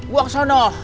gue ke sana